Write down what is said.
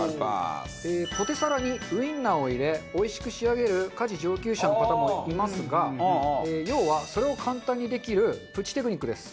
ポテサラにウィンナーを入れおいしく仕上げる家事上級者の方もいますが要はそれを簡単にできるプチテクニックです。